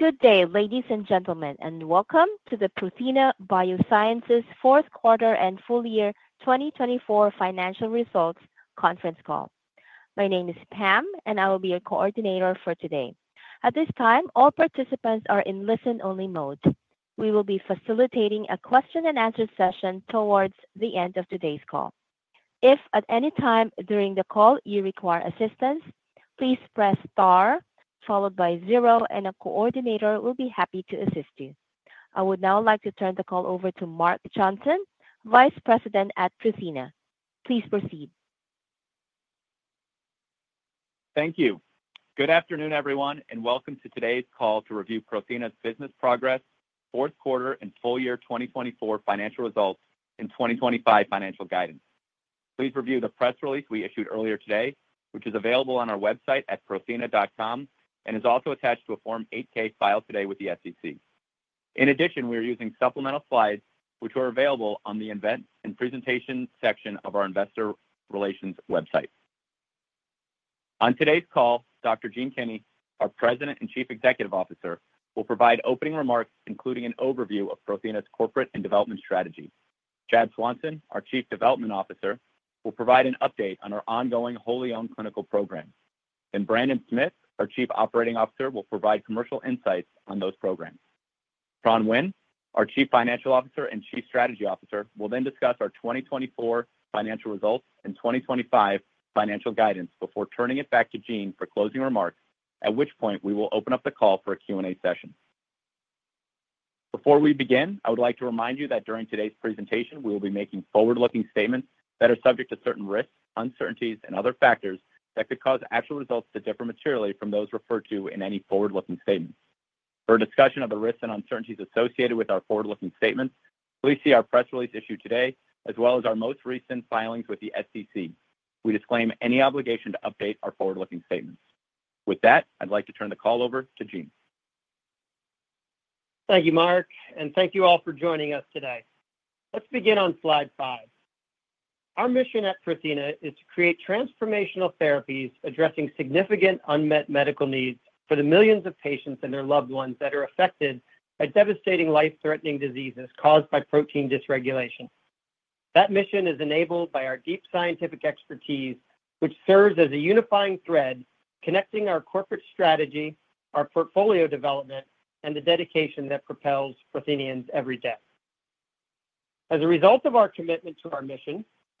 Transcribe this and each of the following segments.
Good day, ladies and gentlemen, and welcome to the Prothena Biosciences Fourth Quarter and Full Year 2024 Financial Results Conference Call. My name is Pam, and I will be your coordinator for today. At this time, all participants are in listen-only mode. We will be facilitating a question-and-answer session towards the end of today's call. If at any time during the call you require assistance, please press star, followed by zero, and a coordinator will be happy to assist you. I would now like to turn the call over to Mark Johnson, Vice President at Prothena. Please proceed. Thank you. Good afternoon, everyone, and welcome to today's call to review Prothena's business progress, fourth quarter, and full year 2024 financial results, and 2025 financial guidance. Please review the press release we issued earlier today, which is available on our website at prothena.com and is also attached to a Form 8-K filed today with the SEC. In addition, we are using supplemental slides, which are available on the Events and Presentations section of our Investor Relations website. On today's call, Dr. Gene Kinney, our President and Chief Executive Officer, will provide opening remarks, including an overview of Prothena's corporate and development strategy. Chad Swanson, our Chief Development Officer, will provide an update on our ongoing wholly-owned clinical program, and Brandon Smith, our Chief Operating Officer, will provide commercial insights on those programs. Tran Nguyen, our Chief Financial Officer and Chief Strategy Officer, will then discuss our 2024 financial results and 2025 financial guidance before turning it back to Gene for closing remarks, at which point we will open up the call for a Q&A session. Before we begin, I would like to remind you that during today's presentation, we will be making forward-looking statements that are subject to certain risks, uncertainties, and other factors that could cause actual results to differ materially from those referred to in any forward-looking statements. For a discussion of the risks and uncertainties associated with our forward-looking statements, please see our press release issued today, as well as our most recent filings with the SEC. We disclaim any obligation to update our forward-looking statements. With that, I'd like to turn the call over to Gene. Thank you, Mark, and thank you all for joining us today. Let's begin on slide five. Our mission at Prothena is to create transformational therapies addressing significant unmet medical needs for the millions of patients and their loved ones that are affected by devastating life-threatening diseases caused by protein dysregulation. That mission is enabled by our deep scientific expertise, which serves as a unifying thread connecting our corporate strategy, our portfolio development, and the dedication that propels Prothenians every day.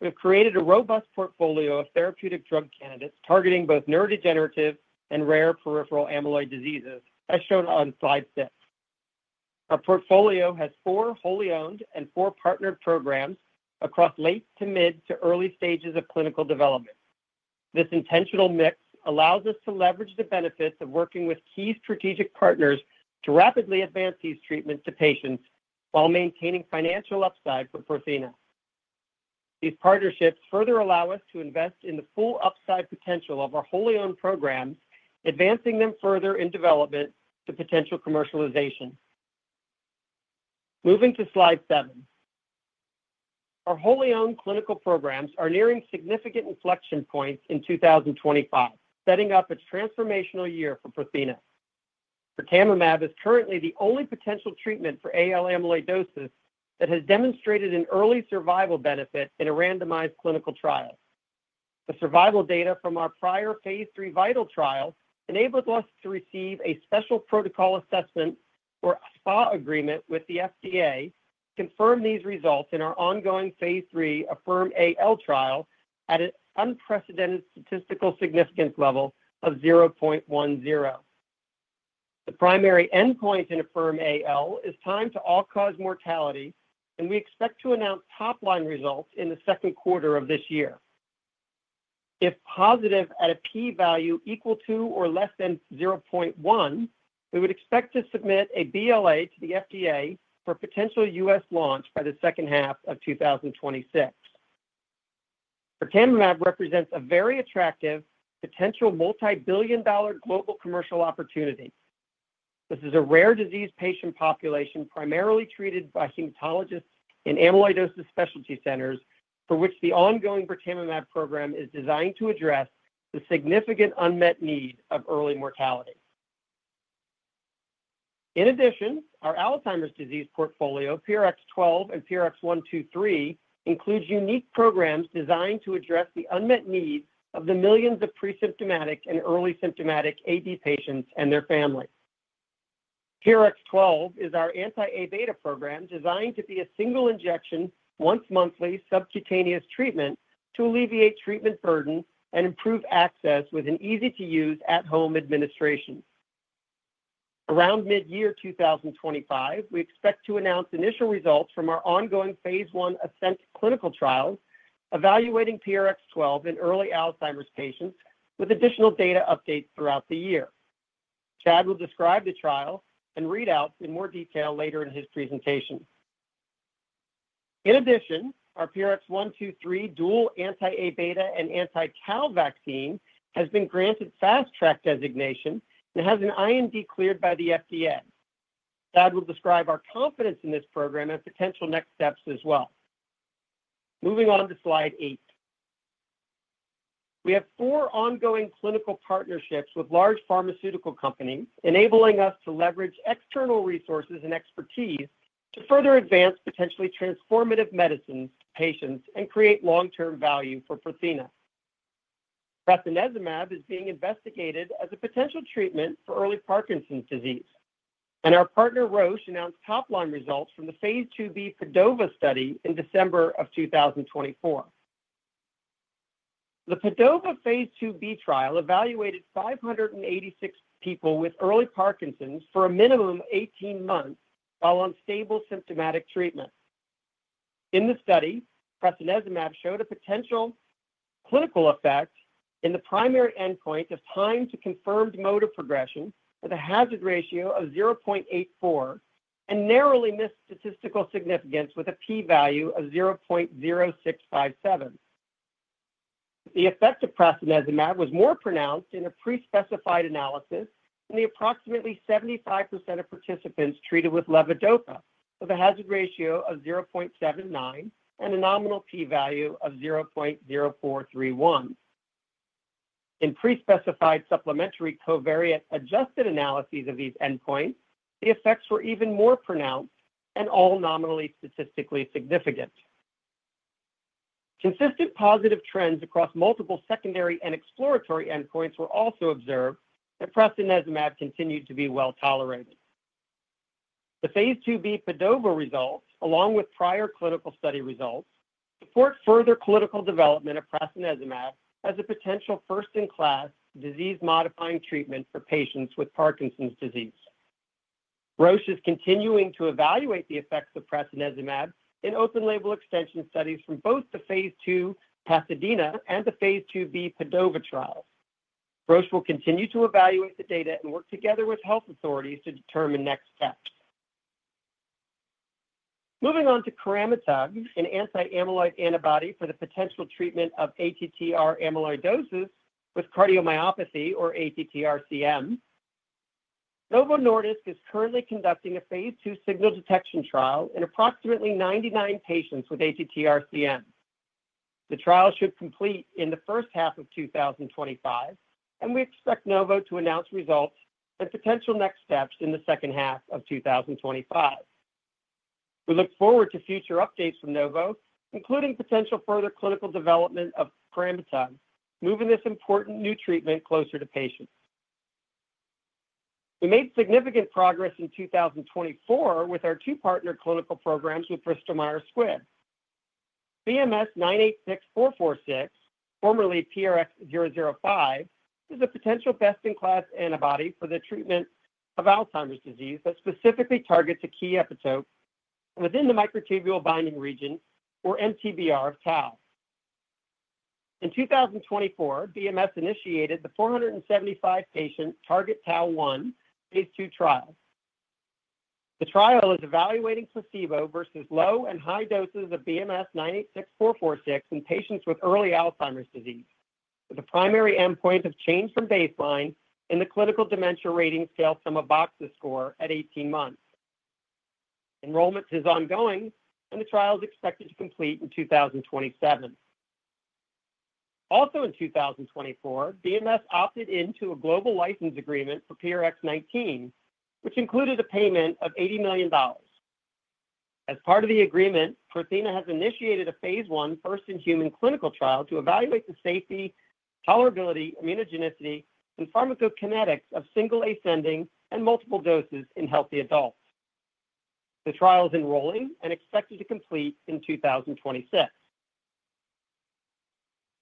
As a result of our commitment to our mission, we have created a robust portfolio of therapeutic drug candidates targeting both neurodegenerative and rare peripheral amyloid diseases, as shown on slide six. Our portfolio has four wholly-owned and four partnered programs across late to mid to early stages of clinical development. This intentional mix allows us to leverage the benefits of working with key strategic partners to rapidly advance these treatments to patients while maintaining financial upside for Prothena. These partnerships further allow us to invest in the full upside potential of our wholly-owned programs, advancing them further in development to potential commercialization. Moving to slide seven, our wholly-owned clinical programs are nearing significant inflection points in 2025, setting up a transformational year for Prothena. Birtamimab is currently the only potential treatment for AL amyloidosis that has demonstrated an early survival benefit in a randomized clinical trial. The survival data from our prior phase III VITAL trial enabled us to receive a special protocol assessment or SPA agreement with the FDA, confirmed these results in our ongoing phase III AFFIRM-AL trial at an unprecedented statistical significance level of 0.10. The primary endpoint in AFFIRM-AL is time to all-cause mortality, and we expect to announce top-line results in the second quarter of this year. If positive at a p-value equal to or less than 0.1, we would expect to submit a BLA to the FDA for potential U.S. launch by the second half of 2026. Birtamimab represents a very attractive potential multi-billion dollar global commercial opportunity. This is a rare disease patient population primarily treated by hematologists in amyloidosis specialty centers, for which the ongoing birtamimab program is designed to address the significant unmet need of early mortality. In addition, our Alzheimer's disease portfolio, PRX012 and PRX123, includes unique programs designed to address the unmet needs of the millions of pre-symptomatic and early symptomatic AD patients and their families. PRX012 is our anti-A beta program designed to be a single injection once monthly subcutaneous treatment to alleviate treatment burden and improve access with an easy-to-use at-home administration. Around mid-year 2025, we expect to announce initial results from our ongoing phase I ASCENT clinical trials, evaluating PRX012 in early Alzheimer's patients with additional data updates throughout the year. Chad will describe the trial and readouts in more detail later in his presentation. In addition, our PRX123 dual anti-A beta and anti-tau vaccine has been granted Fast Track designation and has an IND cleared by the FDA. Chad will describe our confidence in this program and potential next steps as well. Moving on to slide eight, we have four ongoing clinical partnerships with large pharmaceutical companies, enabling us to leverage external resources and expertise to further advance potentially transformative medicines to patients and create long-term value for Prothena. Prasinezumab is being investigated as a potential treatment for early Parkinson's disease, and our partner Roche announced top-line results from the phase II-B PADOVA study in December of 2024. The PADOVA phase II-B trial evaluated 586 people with early Parkinson's for a minimum of 18 months while on stable symptomatic treatment. In the study, prasinezumab showed a potential clinical effect in the primary endpoint of time to confirmed mode of progression with a hazard ratio of 0.84 and narrowly missed statistical significance with a p-value of 0.0657. The effect of prasinezumab was more pronounced in a pre-specified analysis in the approximately 75% of participants treated with levodopa with a hazard ratio of 0.79 and a nominal p-value of 0.0431. In pre-specified supplementary covariate adjusted analyses of these endpoints, the effects were even more pronounced and all nominally statistically significant. Consistent positive trends across multiple secondary and exploratory endpoints were also observed, and prasinezumab continued to be well tolerated. The phase II-B PADOVA results, along with prior clinical study results, support further clinical development of prasinezumab as a potential first-in-class disease-modifying treatment for patients with Parkinson's disease. Roche is continuing to evaluate the effects of prasinezumab in open-label extension studies from both the phase II PASADENA and the phase II-B PADOVA trials. Roche will continue to evaluate the data and work together with health authorities to determine next steps. Moving on to coramitug, an anti-amyloid antibody for the potential treatment of ATTR-CM, Novo Nordisk is currently conducting a phase II signal detection trial in approximately 99 patients with ATTR-CM. The trial should complete in the first half of 2025, and we expect Novo to announce results and potential next steps in the second half of 2025. We look forward to future updates from Novo, including potential further clinical development of coramitug, moving this important new treatment closer to patients. We made significant progress in 2024 with our two-partner clinical programs with Bristol Myers Squibb. BMS-986446, formerly PRX005, is a potential best-in-class antibody for the treatment of Alzheimer's disease that specifically targets a key epitope within the microtubule binding region or MTBR of tau. In 2024, BMS initiated the 475-patient TargetTau-1 phase II trial. The trial is evaluating placebo versus low and high doses of BMS-986446 in patients with early Alzheimer's disease, with a primary endpoint of change from baseline in the Clinical Dementia Rating-Sum of Boxes score at 18 months. Enrollment is ongoing, and the trial is expected to complete in 2027. Also in 2024, BMS opted into a global license agreement for PRX019, which included a payment of $80 million. As part of the agreement, Prothena has initiated a phase I first-in-human clinical trial to evaluate the safety, tolerability, immunogenicity, and pharmacokinetics of single ascending and multiple doses in healthy adults. The trial is enrolling and expected to complete in 2026.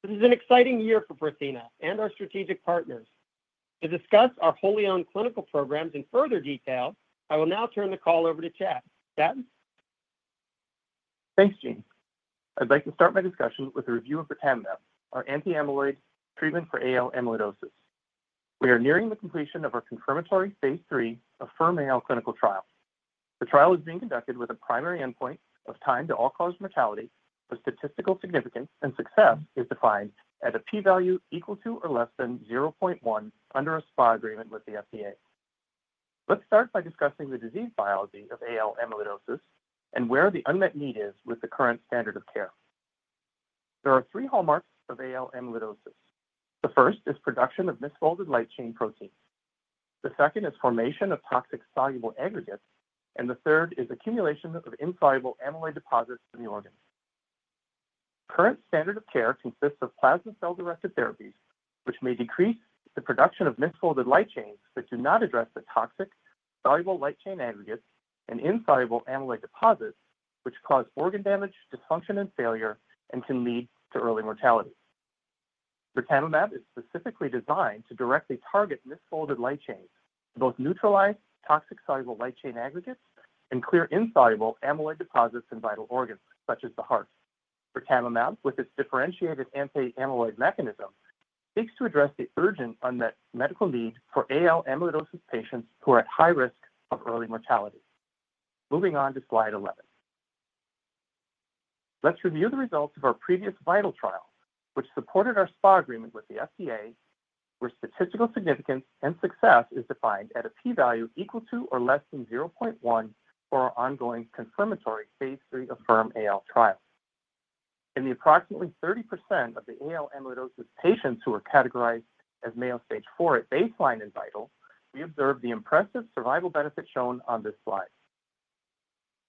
This is an exciting year for Prothena and our strategic partners. To discuss our wholly-owned clinical programs in further detail, I will now turn the call over to Chad. Chad? Thanks, Gene. I'd like to start my discussion with a review of birtamimab, our anti-amyloid treatment for AL amyloidosis. We are nearing the completion of our confirmatory phase III AFFIRM-AL clinical trial. The trial is being conducted with a primary endpoint of time to all-cause mortality, but statistical significance and success is defined at a p-value equal to or less than 0.1 under a SPA agreement with the FDA. Let's start by discussing the disease biology of AL amyloidosis and where the unmet need is with the current standard of care. There are three hallmarks of AL amyloidosis. The first is production of misfolded light chain proteins. The second is formation of toxic soluble aggregates, and the third is accumulation of insoluble amyloid deposits in the organ. Current standard of care consists of plasma cell-directed therapies, which may decrease the production of misfolded light chains that do not address the toxic soluble light chain aggregates and insoluble amyloid deposits, which cause organ damage, dysfunction, and failure, and can lead to early mortality. Birtamimab is specifically designed to directly target misfolded light chains, both neutralize toxic soluble light chain aggregates and clear insoluble amyloid deposits in vital organs such as the heart. Birtamimab, with its differentiated anti-amyloid mechanism, seeks to address the urgent unmet medical need for AL amyloidosis patients who are at high risk of early mortality. Moving on to slide 11, let's review the results of our previous VITAL trial, which supported our SPA agreement with the FDA, where statistical significance and success is defined at a p-value equal to or less than 0.1 for our ongoing confirmatory phase III AFFIRM-AL trial. In the approximately 30% of the AL amyloidosis patients who are categorized as Mayo Stage IV at baseline in VITAL, we observed the impressive survival benefit shown on this slide.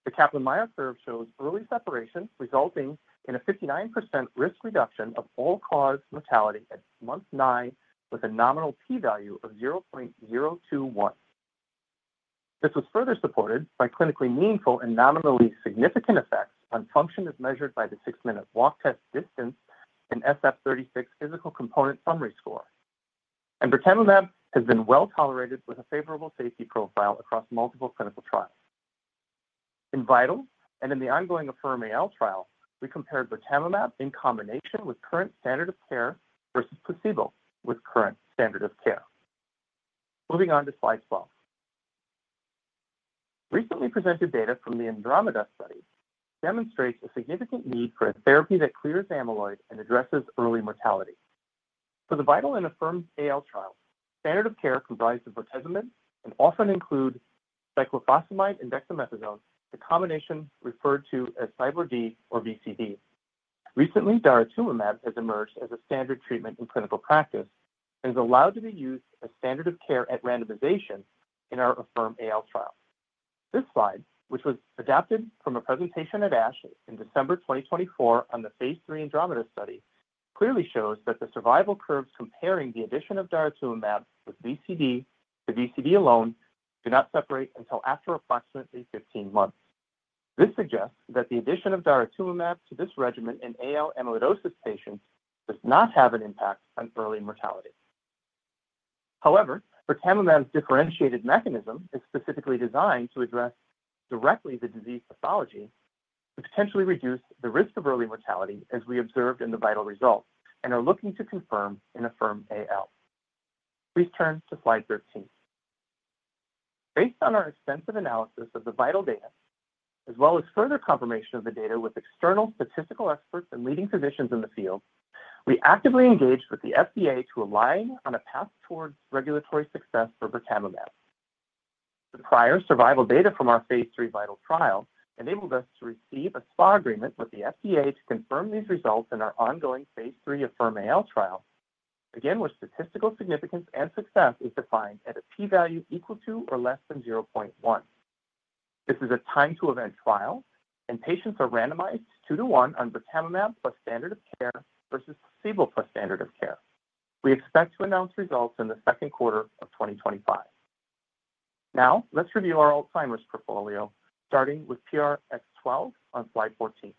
The Kaplan-Meier curve shows early separation resulting in a 59% risk reduction of all-cause mortality at month nine, with a nominal p-value of 0.021. This was further supported by clinically meaningful and nominally significant effects on function as measured by the six-minute walk test distance and SF-36 physical component summary score, and birtamimab has been well tolerated with a favorable safety profile across multiple clinical trials. In VITAL and in the ongoing AFFIRM-AL trial, we compared birtamimab in combination with current standard of care versus placebo with current standard of care. Moving on to slide 12, recently presented data from the ANDROMEDA study demonstrates a significant need for a therapy that clears amyloid and addresses early mortality. For the VITAL and AFFIRM-AL trial, standard of care comprised of bortezomib and often include cyclophosphamide and dexamethasone, the combination referred to as CyBorD or BCD. Recently, daratumumab has emerged as a standard treatment in clinical practice and is allowed to be used as standard of care at randomization in our AFFIRM-AL trial. This slide, which was adapted from a presentation at ASH in December 2024 on the phase III ANDROMEDA study, clearly shows that the survival curves comparing the addition of daratumumab with BCD to BCD alone do not separate until after approximately 15 months. This suggests that the addition of daratumumab to this regimen in AL amyloidosis patients does not have an impact on early mortality. However, birtamimab's differentiated mechanism is specifically designed to address directly the disease pathology to potentially reduce the risk of early mortality, as we observed in the VITAL results and are looking to confirm in AFFIRM-AL. Please turn to slide 13. Based on our extensive analysis of the VITAL data, as well as further confirmation of the data with external statistical experts and leading physicians in the field, we actively engaged with the FDA to align on a path towards regulatory success for birtamimab. The prior survival data from our phase III VITAL trial enabled us to receive a SPA agreement with the FDA to confirm these results in our ongoing phase III AFFIRM-AL trial, again where statistical significance and success is defined at a p-value equal to or less than 0.1. This is a time-to-event trial, and patients are randomized two-to-one on birtamimab plus standard of care versus placebo plus standard of care. We expect to announce results in the second quarter of 2025. Now, let's review our Alzheimer's portfolio, starting with PRX012 on slide 14.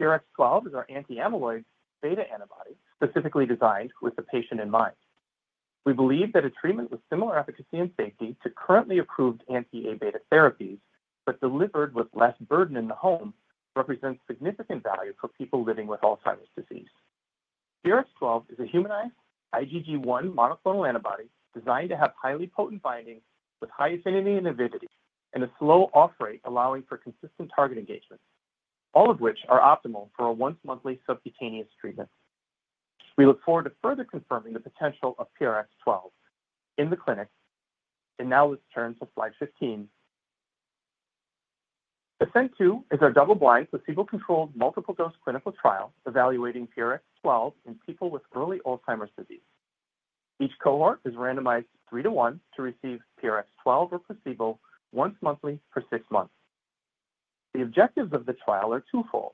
PRX012 is our anti-amyloid beta antibody specifically designed with the patient in mind. We believe that a treatment with similar efficacy and safety to currently approved anti-A beta therapies, but delivered with less burden in the home, represents significant value for people living with Alzheimer's disease. PRX012 is a humanized IgG1 monoclonal antibody designed to have highly potent binding with high affinity and avidity and a slow off-rate allowing for consistent target engagement, all of which are optimal for a once-monthly subcutaneous treatment. We look forward to further confirming the potential of PRX012 in the clinic, and now let's turn to slide 15. ASCENT-2 is our double-blind placebo-controlled multiple-dose clinical trial evaluating PRX012 in people with early Alzheimer's disease. Each cohort is randomized three-to-one to receive PRX012 or placebo once monthly for six months. The objectives of the trial are twofold.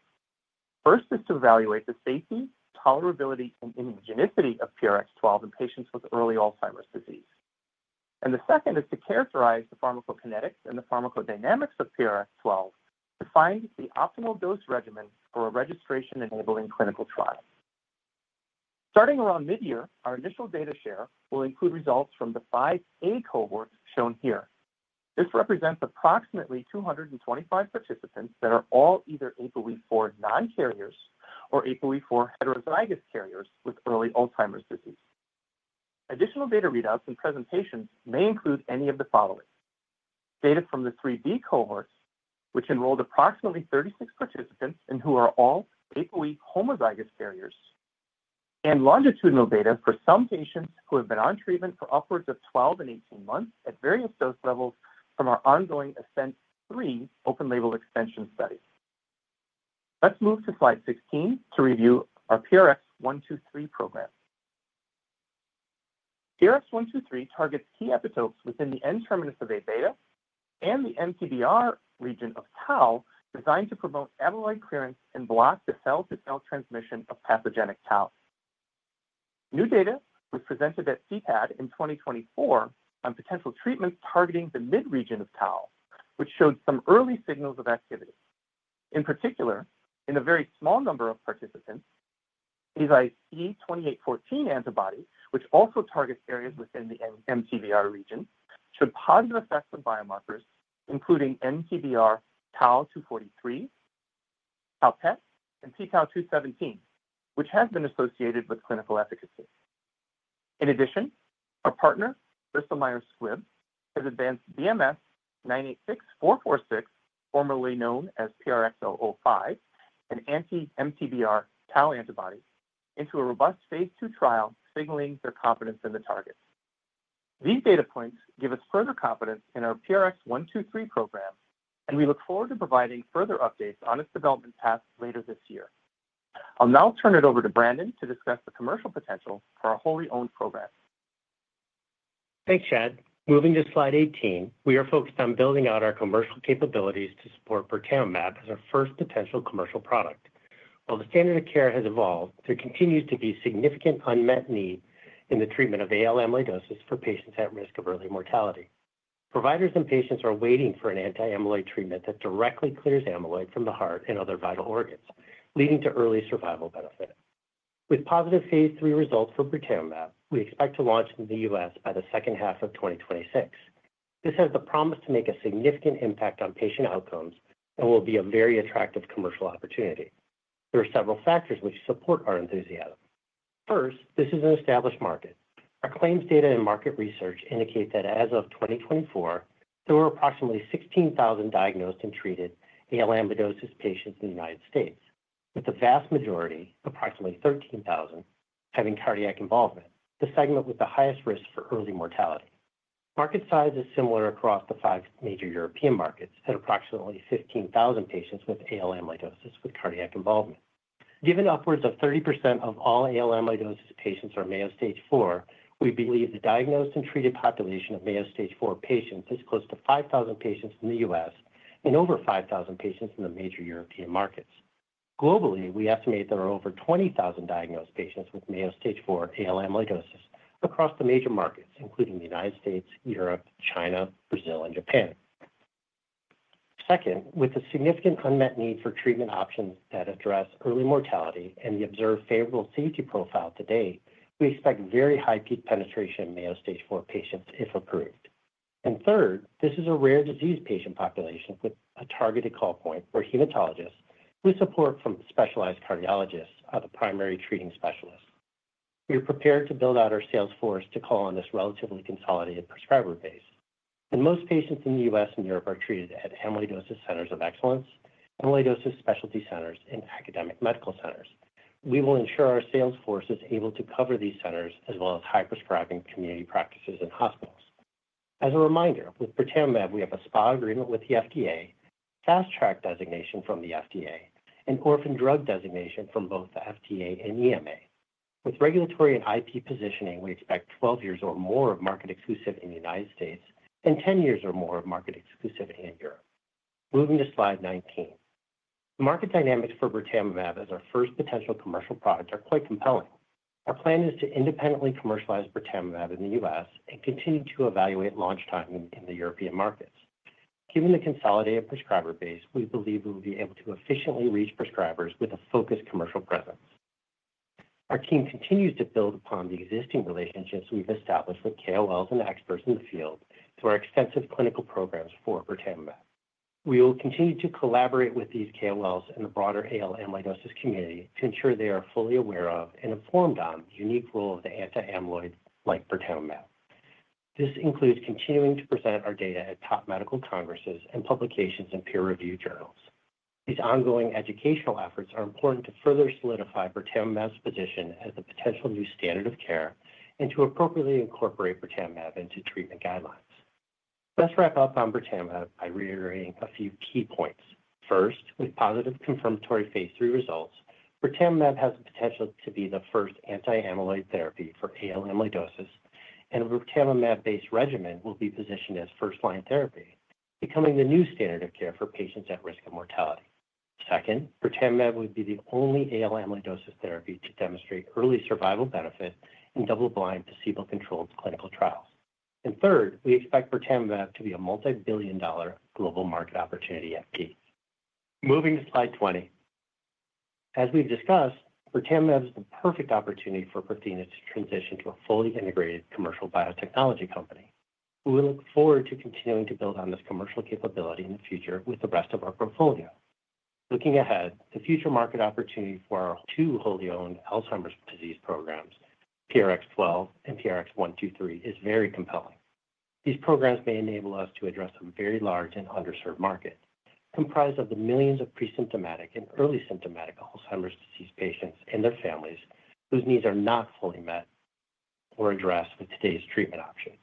First is to evaluate the safety, tolerability, and immunogenicity of PRX012 in patients with early Alzheimer's disease. And the second is to characterize the pharmacokinetics and the pharmacodynamics of PRX012 to find the optimal dose regimen for a registration-enabling clinical trial. Starting around mid-year, our initial data share will include results from the five A cohorts shown here. This represents approximately 225 participants that are all either APOE4 non-carriers or APOE4 heterozygous carriers with early Alzheimer's disease. Additional data readouts and presentations may include any of the following: data from the III-B cohorts, which enrolled approximately 36 participants and who are all APOE homozygous carriers, and longitudinal data for some patients who have been on treatment for upwards of 12 and 18 months at various dose levels from our ongoing ASCENT-3 open-label extension study. Let's move to slide 16 to review our PRX123 program. PRX123 targets key epitopes within the N-terminus of A beta and the MTBR region of tau, designed to promote amyloid clearance and block the cell-to-cell transmission of pathogenic tau. New data was presented at CTAD in 2024 on potential treatments targeting the mid-region of tau, which showed some early signals of activity. In particular, in a very small number of participants, E2814 antibody, which also targets areas within the MTBR region, showed positive effects on biomarkers, including MTBR Tau-243, Tau PET, and Tau-217, which has been associated with clinical efficacy. In addition, our partner, Bristol Myers Squibb, has advanced BMS-986446, formerly known as PRX005, an anti-MTBR Tau antibody, into a robust phase II trial signaling their competence in the target. These data points give us further confidence in our PRX123 program, and we look forward to providing further updates on its development path later this year. I'll now turn it over to Brandon to discuss the commercial potential for our wholly-owned program. Thanks, Chad. Moving to slide 18, we are focused on building out our commercial capabilities to support birtamimab as our first potential commercial product. While the standard of care has evolved, there continues to be significant unmet need in the treatment of AL amyloidosis for patients at risk of early mortality. Providers and patients are waiting for an anti-amyloid treatment that directly clears amyloid from the heart and other vital organs, leading to early survival benefit. With positive phase III results for birtamimab, we expect to launch in the U.S. by the second half of 2026. This has the promise to make a significant impact on patient outcomes and will be a very attractive commercial opportunity. There are several factors which support our enthusiasm. First, this is an established market. Our claims data and market research indicate that as of 2024, there were approximately 16,000 diagnosed and treated AL amyloidosis patients in the United States, with the vast majority, approximately 13,000, having cardiac involvement, the segment with the highest risk for early mortality. Market size is similar across the five major European markets at approximately 15,000 patients with AL amyloidosis with cardiac involvement. Given upwards of 30% of all AL amyloidosis patients are Mayo Stage IV, we believe the diagnosed and treated population of Mayo Stage IV patients is close to 5,000 patients in the U.S. and over 5,000 patients in the major European markets. Globally, we estimate there are over 20,000 diagnosed patients with Mayo Stage IV AL amyloidosis across the major markets, including the United States, Europe, China, Brazil, and Japan. Second, with the significant unmet need for treatment options that address early mortality and the observed favorable safety profile to date, we expect very high peak penetration in Mayo Stage IV patients if approved. Third, this is a rare disease patient population with a targeted call point for hematologists with support from specialized cardiologists as the primary treating specialist. We are prepared to build out our sales force to call on this relatively consolidated prescriber base. Most patients in the U.S. and Europe are treated at amyloidosis centers of excellence, amyloidosis specialty centers, and academic medical centers. We will ensure our sales force is able to cover these centers as well as high-prescribing community practices and hospitals. As a reminder, with birtamimab, we have a SPA agreement with the FDA, Fast Track designation from the FDA, and Orphan Drug designation from both the FDA and EMA. With regulatory and IP positioning, we expect 12 years or more of market exclusivity in the United States and 10 years or more of market exclusivity in Europe. Moving to slide 19, the market dynamics for birtamimab as our first potential commercial product are quite compelling. Our plan is to independently commercialize birtamimab in the U.S. and continue to evaluate launch time in the European markets. Given the consolidated prescriber base, we believe we will be able to efficiently reach prescribers with a focused commercial presence. Our team continues to build upon the existing relationships we've established with KOLs and experts in the field through our extensive clinical programs for birtamimab. We will continue to collaborate with these KOLs and the broader AL amyloidosis community to ensure they are fully aware of and informed on the unique role of the anti-amyloid like birtamimab. This includes continuing to present our data at top medical congresses and publications and peer-reviewed journals. These ongoing educational efforts are important to further solidify birtamimab's position as a potential new standard of care and to appropriately incorporate birtamimab into treatment guidelines. Let's wrap up on birtamimab by reiterating a few key points. First, with positive confirmatory phase III results, birtamimab has the potential to be the first anti-amyloid therapy for AL amyloidosis, and a birtamimab-based regimen will be positioned as first-line therapy, becoming the new standard of care for patients at risk of mortality. Second, birtamimab would be the only AL amyloidosis therapy to demonstrate early survival benefit in double-blind placebo-controlled clinical trials. And third, we expect birtamimab to be a multi-billion dollar global market opportunity at peak. Moving to slide 20, as we've discussed, birtamimab is the perfect opportunity for Prothena to transition to a fully integrated commercial biotechnology company. We look forward to continuing to build on this commercial capability in the future with the rest of our portfolio. Looking ahead, the future market opportunity for our two wholly-owned Alzheimer's disease programs, PRX012 and PRX123, is very compelling. These programs may enable us to address a very large and underserved market comprised of the millions of pre-symptomatic and early symptomatic Alzheimer's disease patients and their families whose needs are not fully met or addressed with today's treatment options.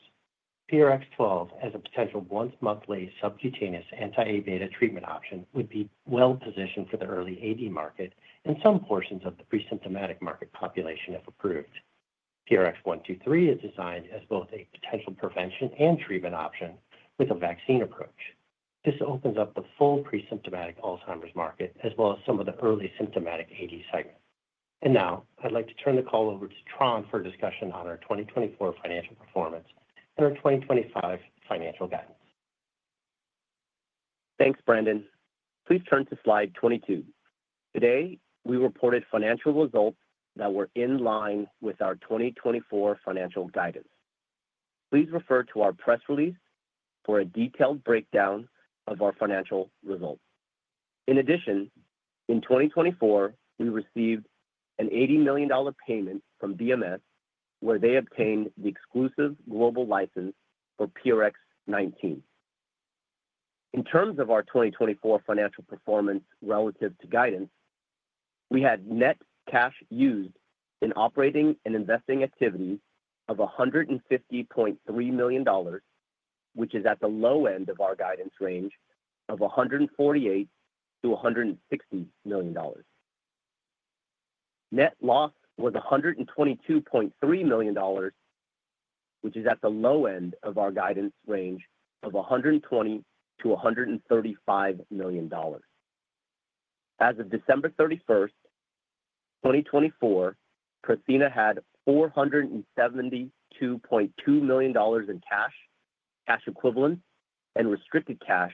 PRX012, as a potential once-monthly subcutaneous anti-Aβ treatment option, would be well positioned for the early AD market and some portions of the pre-symptomatic market population if approved. PRX123 is designed as both a potential prevention and treatment option with a vaccine approach. This opens up the full pre-symptomatic Alzheimer's market as well as some of the early symptomatic AD segment, and now, I'd like to turn the call over to Tran for a discussion on our 2024 financial performance and our 2025 financial guidance. Thanks, Brandon. Please turn to slide 22. Today, we reported financial results that were in line with our 2024 financial guidance. Please refer to our press release for a detailed breakdown of our financial results. In addition, in 2024, we received an $80 million payment from BMS, where they obtained the exclusive global license for PRX019. In terms of our 2024 financial performance relative to guidance, we had net cash used in operating and investing activity of $150.3 million, which is at the low end of our guidance range of $148 million-$160 million. Net loss was $122.3 million, which is at the low end of our guidance range of $120 million-$135 million. As of December 31, 2024, Prothena had $472.2 million in cash, cash equivalent, and restricted cash,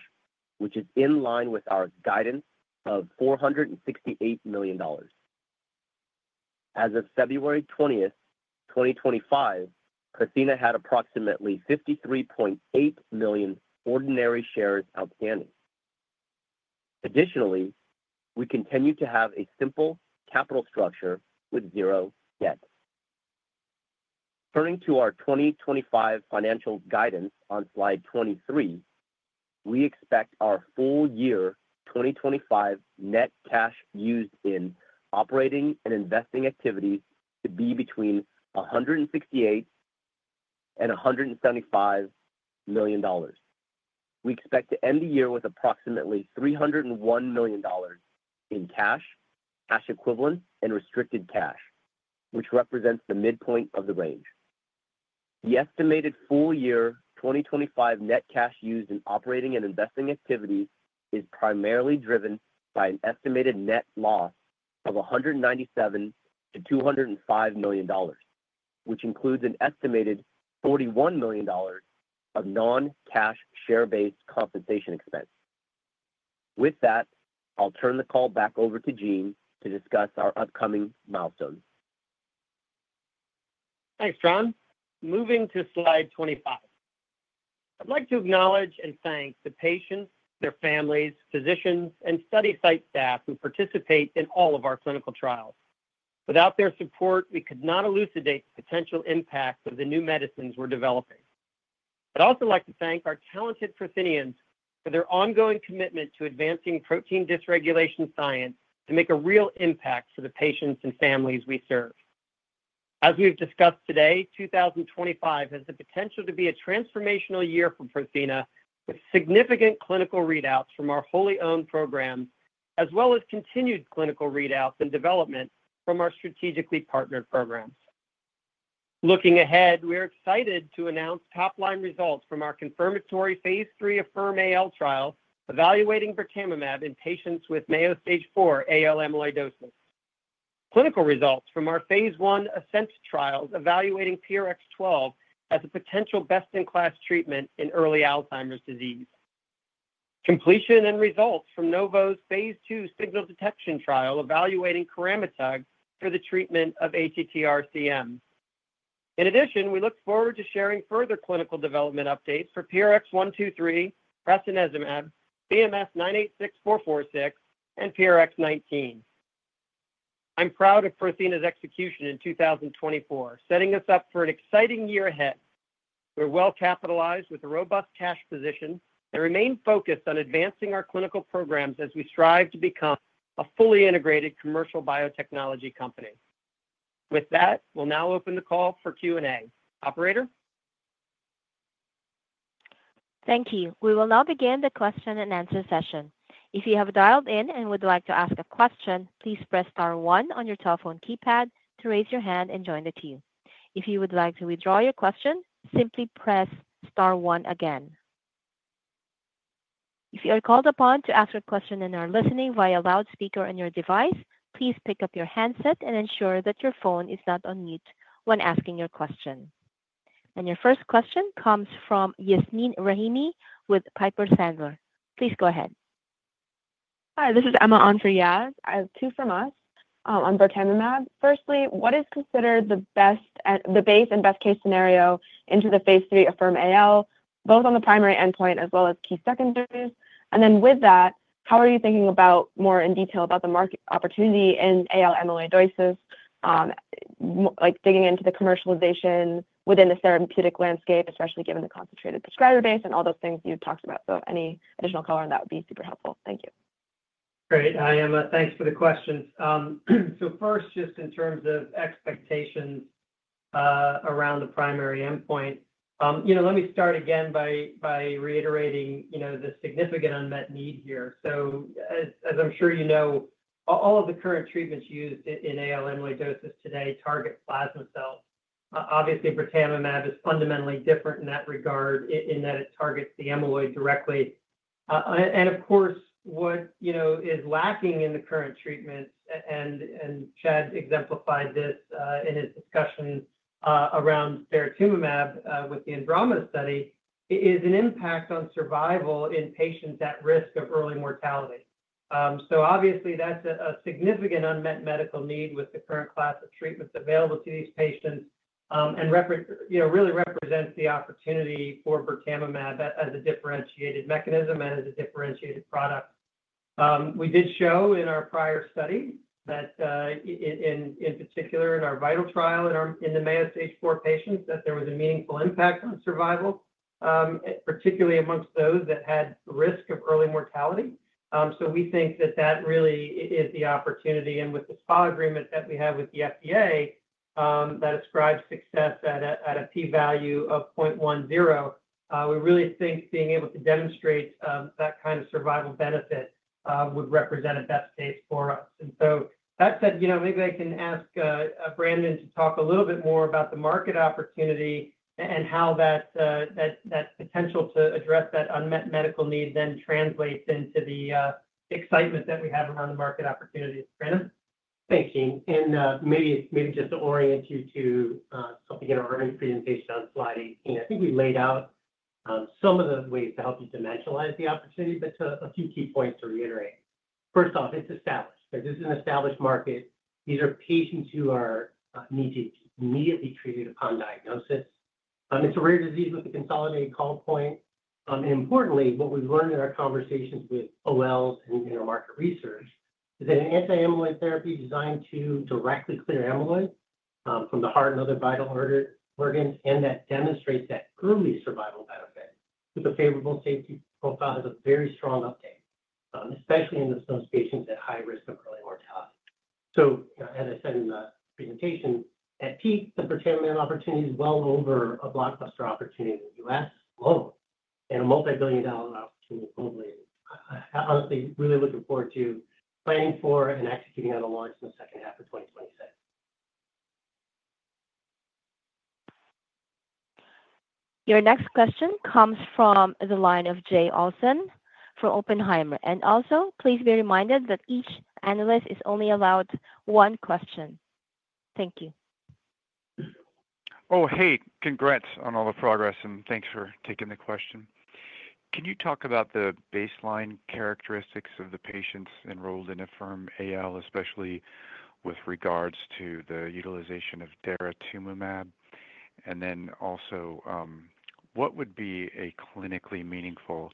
which is in line with our guidance of $468 million. As of February 20, 2025, Prothena had approximately 53.8 million ordinary shares outstanding. Additionally, we continue to have a simple capital structure with zero debt. Turning to our 2025 financial guidance on slide 23, we expect our full year 2025 net cash used in operating and investing activity to be between $168 million and $175 million. We expect to end the year with approximately $301 million in cash, cash equivalent, and restricted cash, which represents the midpoint of the range. The estimated full year 2025 net cash used in operating and investing activity is primarily driven by an estimated net loss of $197 million-$205 million, which includes an estimated $41 million of non-cash share-based compensation expense. With that, I'll turn the call back over to Gene to discuss our upcoming milestones. Thanks, Tran. Moving to slide 25, I'd like to acknowledge and thank the patients, their families, physicians, and study site staff who participate in all of our clinical trials. Without their support, we could not elucidate the potential impact of the new medicines we're developing. I'd also like to thank our talented Prothenians for their ongoing commitment to advancing protein dysregulation science to make a real impact for the patients and families we serve. As we've discussed today, 2025 has the potential to be a transformational year for Prothena, with significant clinical readouts from our wholly-owned programs, as well as continued clinical readouts and development from our strategically partnered programs. Looking ahead, we are excited to announce top-line results from our confirmatory phase III AFFIRM-AL trial evaluating birtamimab in patients with Mayo Stage IV AL amyloidosis. Clinical results from our phase I ASCENT trials evaluating PRX012 as a potential best-in-class treatment in early Alzheimer's disease. Completion and results from Novo's phase II signal detection trial evaluating coramitug for the treatment of ATTR-CM. In addition, we look forward to sharing further clinical development updates for PRX123, prasinezumab, BMS-986446, and PRX019. I'm proud of Prothena's execution in 2024, setting us up for an exciting year ahead. We're well capitalized with a robust cash position and remain focused on advancing our clinical programs as we strive to become a fully integrated commercial biotechnology company. With that, we'll now open the call for Q&A. Operator? Thank you. We will now begin the question and answer session. If you have dialed in and would like to ask a question, please press star one on your telephone keypad to raise your hand and join the queue. If you would like to withdraw your question, simply press star one again. If you are called upon to ask a question and are listening via loudspeaker on your device, please pick up your handset and ensure that your phone is not on mute when asking your question. Your first question comes from Yasmeen Rahimi with Piper Sandler. Please go ahead. Hi, this is Emma on for Yasmeen. I have two from us on birtamimab. Firstly, what is considered the best, the base and best-case scenario into the phase III AFFIRM-AL, both on the primary endpoint as well as key secondaries? And then with that, how are you thinking about more in detail about the market opportunity in AL amyloidosis, like digging into the commercialization within the therapeutic landscape, especially given the concentrated prescriber base and all those things you've talked about? So any additional color on that would be super helpful. Thank you. Great. Hi, Emma. Thanks for the questions. So first, just in terms of expectations around the primary endpoint, let me start again by reiterating the significant unmet need here. So as I'm sure you know, all of the current treatments used in AL amyloidosis today target plasma cells. Obviously, birtamimab is fundamentally different in that regard in that it targets the amyloid directly. And of course, what is lacking in the current treatments, and Chad exemplified this in his discussion around birtamimab with the ANDROMEDA study, is an impact on survival in patients at risk of early mortality. So obviously, that's a significant unmet medical need with the current class of treatments available to these patients and really represents the opportunity for birtamimab as a differentiated mechanism and as a differentiated product. We did show in our prior study that, in particular, in our VITAL trial in the Mayo Stage IV patients, that there was a meaningful impact on survival, particularly amongst those that had risk of early mortality. So we think that that really is the opportunity. And with the SPA agreement that we have with the FDA that ascribes success at a p-value of 0.10, we really think being able to demonstrate that kind of survival benefit would represent a best case for us. And so that said, maybe I can ask Brandon to talk a little bit more about the market opportunity and how that potential to address that unmet medical need then translates into the excitement that we have around the market opportunity. Brandon? Thanks, Gene. And maybe just to orient you to something in our earlier presentation on slide 18, I think we laid out some of the ways to help you dimensionalize the opportunity, but a few key points to reiterate. First off, it's established. This is an established market. These are patients who need to be immediately treated upon diagnosis. It's a rare disease with a consolidated call point. And importantly, what we've learned in our conversations with KOLs and in our market research is that an anti-amyloid therapy designed to directly clear amyloid from the heart and other vital organs and that demonstrates that early survival benefit with a favorable safety profile has a very strong uptake, especially in those patients at high risk of early mortality. As I said in the presentation, at peak, the birtamimab opportunity is well over a blockbuster opportunity in the U.S. alone and a multi-billion-dollar opportunity globally. Honestly, really looking forward to planning for and executing on a launch in the second half of 2026. Your next question comes from the line of Jay Olson for Oppenheimer. Also, please be reminded that each analyst is only allowed one question. Thank you. Oh, hey, congrats on all the progress, and thanks for taking the question. Can you talk about the baseline characteristics of the patients enrolled in AFFIRM-AL, especially with regards to the utilization of daratumumab? And then also, what would be a clinically meaningful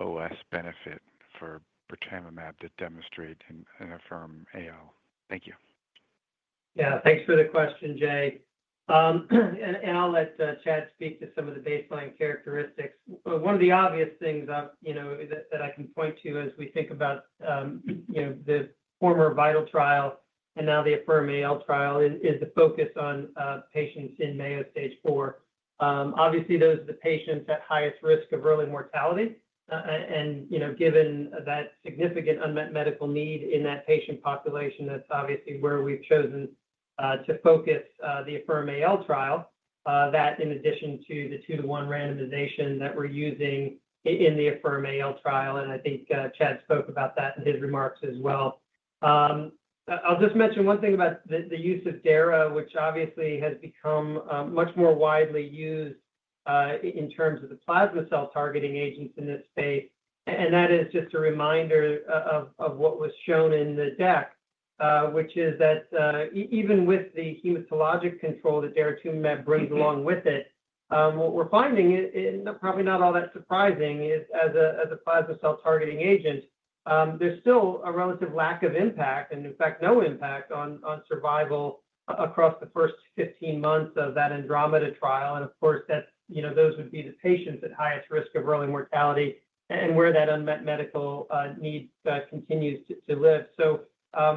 OS benefit for birtamimab to demonstrate in AFFIRM-AL? Thank you. Yeah, thanks for the question, Jay. And I'll let Chad speak to some of the baseline characteristics. One of the obvious things that I can point to as we think about the former VITAL trial and now the AFFIRM-AL trial is the focus on patients in Mayo Stage IV. Obviously, those are the patients at highest risk of early mortality. And given that significant unmet medical need in that patient population, that's obviously where we've chosen to focus the AFFIRM-AL trial, that in addition to the two-to-one randomization that we're using in the AFFIRM-AL trial, and I think Chad spoke about that in his remarks as well. I'll just mention one thing about the use of Dara, which obviously has become much more widely used in terms of the plasma cell targeting agents in this space. And that is just a reminder of what was shown in the deck, which is that even with the hematologic control that daratumumab brings along with it, what we're finding, and probably not all that surprising, is as a plasma cell targeting agent, there's still a relative lack of impact and, in fact, no impact on survival across the first 15 months of that ANDROMEDA trial. And of course, those would be the patients at highest risk of early mortality and where that unmet medical need continues to live. So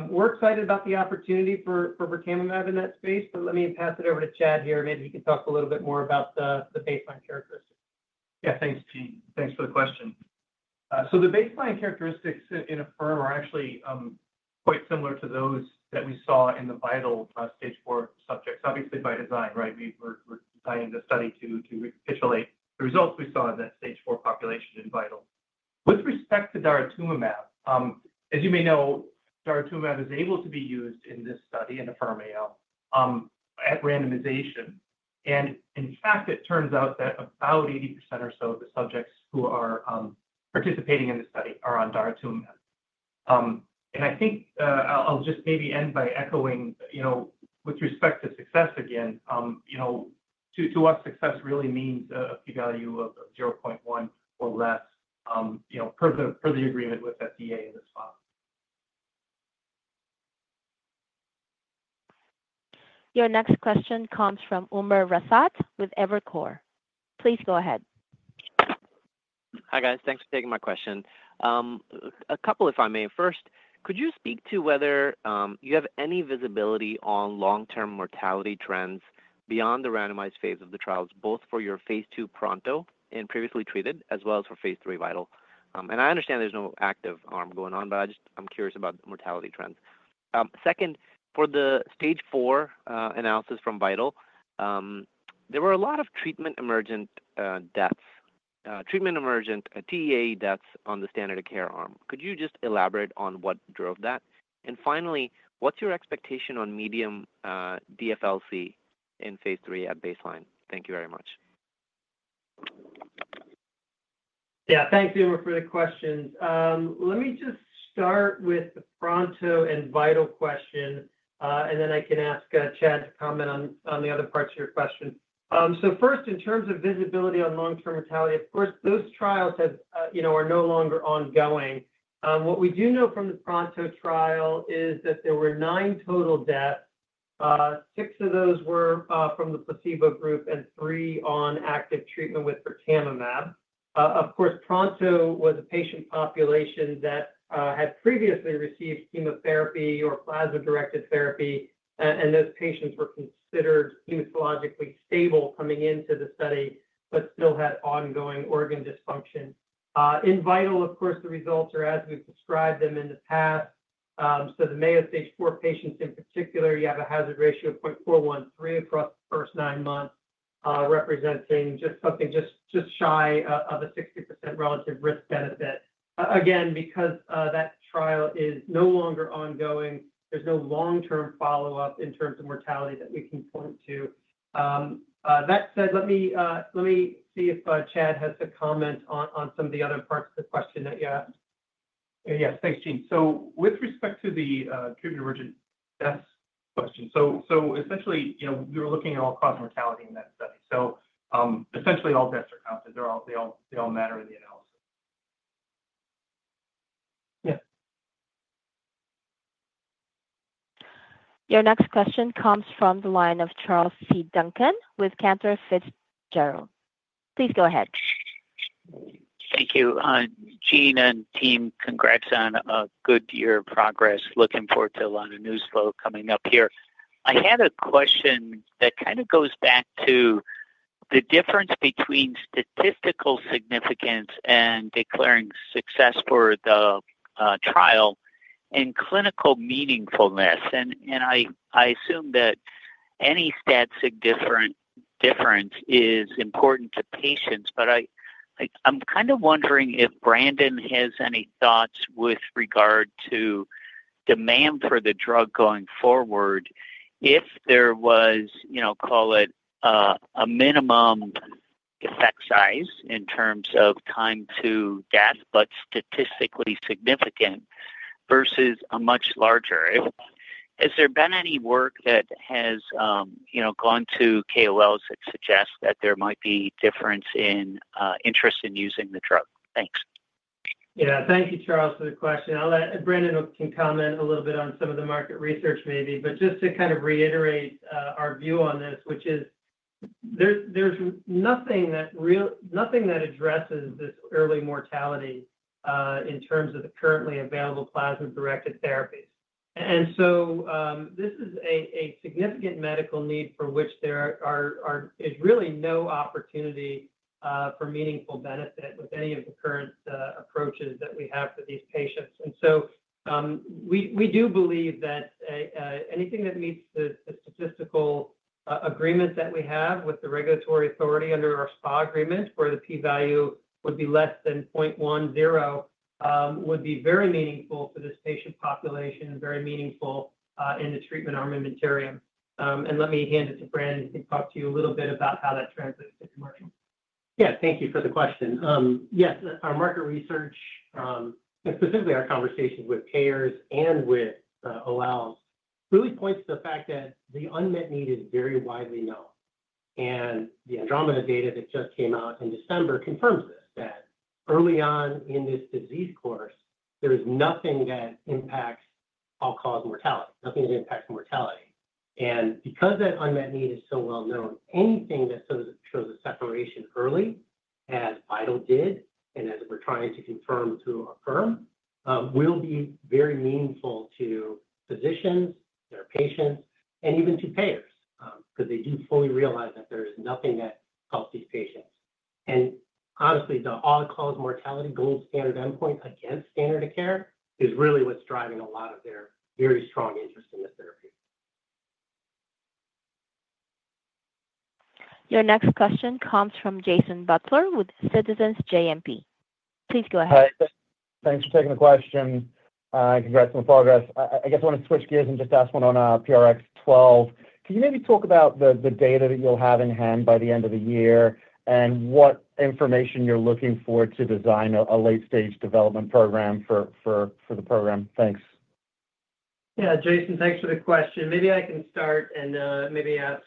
we're excited about the opportunity for birtamimab in that space, but let me pass it over to Chad here. Maybe he can talk a little bit more about the baseline characteristics. Yeah, thanks, Gene. Thanks for the question. So the baseline characteristics in AFFIRM-AL are actually quite similar to those that we saw in the VITAL stage IV subjects. Obviously, by design, right? We're designing the study to replicate the results we saw in that stage IV population in VITAL. With respect to daratumumab, as you may know, daratumumab is able to be used in this study in AFFIRM-AL at randomization. And in fact, it turns out that about 80% or so of the subjects who are participating in the study are on daratumumab. And I think I'll just maybe end by echoing with respect to success again, to us, success really means a p-value of 0.1 or less per the agreement with FDA in this field. Your next question comes from Umer Raffat with Evercore. Please go ahead. Hi guys. Thanks for taking my question. A couple, if I may. First, could you speak to whether you have any visibility on long-term mortality trends beyond the randomized phase of the trials, both for your phase II PRONTO and previously treated, as well as for phase III VITAL? And I understand there's no active arm going on, but I'm curious about the mortality trends. Second, for the stage 4 analysis from VITAL, there were a lot of treatment emergent deaths, treatment emergent TEAE deaths on the standard of care arm. Could you just elaborate on what drove that? And finally, what's your expectation on median dFLC in phase III at baseline? Thank you very much. Yeah, thanks, Umer, for the questions. Let me just start with the PRONTO and VITAL question, and then I can ask Chad to comment on the other parts of your question. So first, in terms of visibility on long-term mortality, of course, those trials are no longer ongoing. What we do know from the PRONTO trial is that there were nine total deaths. Six of those were from the placebo group and three on active treatment with birtamimab. Of course, PRONTO was a patient population that had previously received chemotherapy or plasma-directed therapy, and those patients were considered hematologically stable coming into the study, but still had ongoing organ dysfunction. In VITAL, of course, the results are as we've described them in the past. The Mayo Stage IV patients, in particular, you have a hazard ratio of 0.413 across the first nine months, representing just something just shy of a 60% relative risk-benefit. Again, because that trial is no longer ongoing, there's no long-term follow-up in terms of mortality that we can point to. That said, let me see if Chad has a comment on some of the other parts of the question that you have. Yes, thanks, Gene. So with respect to the treatment emergent deaths question, so essentially, we were looking at all-cause mortality in that study. So essentially, all deaths are counted. They all matter in the analysis. Yeah. Your next question comes from the line of Charles Duncan with Cantor Fitzgerald. Please go ahead. Thank you. Gene and team, congrats on a good year of progress. Looking forward to a lot of news flow coming up here. I had a question that kind of goes back to the difference between statistical significance and declaring success for the trial and clinical meaningfulness, and I assume that any statistic difference is important to patients, but I'm kind of wondering if Brandon has any thoughts with regard to demand for the drug going forward if there was, call it, a minimum effect size in terms of time to death, but statistically significant versus a much larger? Has there been any work that has gone to KOLs that suggests that there might be difference in interest in using the drug? Thanks. Yeah, thank you, Charles, for the question. Brandon can comment a little bit on some of the market research maybe, but just to kind of reiterate our view on this, which is there's nothing that addresses this early mortality in terms of the currently available plasma-directed therapies. And so this is a significant medical need for which there is really no opportunity for meaningful benefit with any of the current approaches that we have for these patients. And so we do believe that anything that meets the statistical agreement that we have with the regulatory authority under our SPA agreement, where the p-value would be less than 0.10, would be very meaningful for this patient population, very meaningful in the treatment armamentarium. And let me hand it to Brandon to talk to you a little bit about how that translates to commercial. Yeah, thank you for the question. Yes, our market research, and specifically our conversations with payers and with KOLs, really points to the fact that the unmet need is very widely known. And the ANDROMEDA data that just came out in December confirms this, that early on in this disease course, there is nothing that impacts all-cause mortality, nothing that impacts mortality. And because that unmet need is so well known, anything that shows a separation early, as VITAL did, and as we're trying to confirm through AFFIRM-AL, will be very meaningful to physicians, their patients, and even to payers because they do fully realize that there is nothing that helps these patients. And honestly, the all-cause mortality gold standard endpoint against standard of care is really what's driving a lot of their very strong interest in this therapy. Your next question comes from Jason Butler with Citizens JMP. Please go ahead. Thanks for taking the question. Congrats on the progress. I guess I want to switch gears and just ask one on PRX012. Can you maybe talk about the data that you'll have in hand by the end of the year and what information you're looking for to design a late-stage development program for the program? Thanks. Yeah, Jason, thanks for the question. Maybe I can start and maybe ask